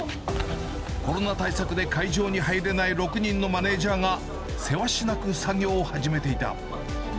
コロナ対策で会場に入れない６人のマネージャーが、せわしなく作業を始めていた。